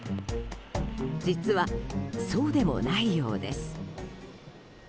実は、そうでもないようです。